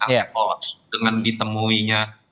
akan lolos dengan ditemuinya